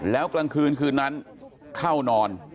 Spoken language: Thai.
แล้วกลางคืนคืนนั้นเข้านอน